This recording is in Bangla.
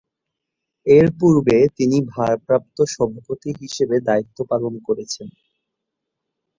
এর পূর্বে তিনি ভারপ্রাপ্ত সভাপতি হিসেবে দায়িত্ব পালন করেছেন।